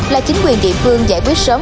là chính quyền địa phương giải quyết sớm